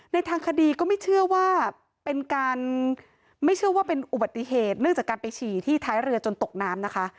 ทางคดีก็ไม่เชื่อว่าเป็นการไม่เชื่อว่าเป็นอุบัติเหตุเนื่องจากการไปฉี่ที่ท้ายเรือจนตกน้ำนะคะ